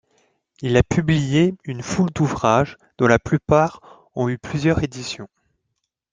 Il a publié une foule d’ouvrages dont la plupart ont eu plusieurs éditions.